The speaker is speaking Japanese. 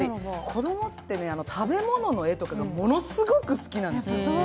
子供ってね、食べ物の絵とかがものすごく好きなんですよ。